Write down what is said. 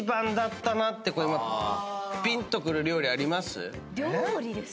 ぴんとくる料理あります？